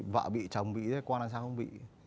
vợ bị chồng bị thì con làm sao không bị